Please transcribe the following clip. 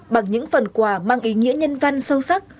bằng những phần quà mang ý nghĩa nhân văn sâu sắc